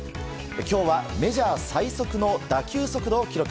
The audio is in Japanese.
今日はメジャー最速の打球速度を記録。